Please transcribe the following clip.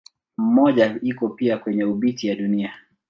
Mmoja iko pia kwenye obiti ya Dunia.